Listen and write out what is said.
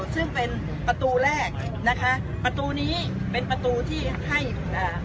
ซึ่งเป็นประตูแรกนะคะประตูนี้เป็นประตูที่ให้อ่า